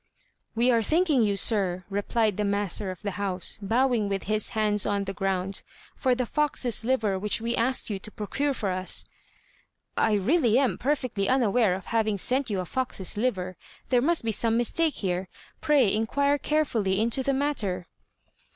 "We are thanking you, sir," replied the master of the house, bowing with his hands on the ground, "for the fox's liver which we asked you to procure for us." "I really am perfectly unaware of having sent you a fox's liver: there must be some mistake here. Pray inquire carefully into the matter."